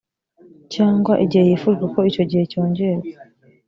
cyangwa igihe hifujweko icyo gihe cyongerwa